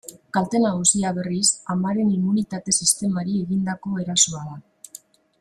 Kalte nagusia, berriz, amaren immunitate-sistemari egindako erasoa da.